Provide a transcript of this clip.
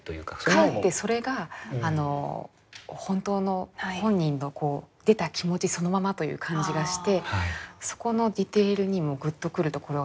かえってそれが本当の本人の出た気持ちそのままという感じがしてそこのディテールにもグッとくるところがあったりするんですよね。